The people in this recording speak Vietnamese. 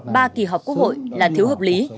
ba kỳ họp quốc hội là thiếu hợp lý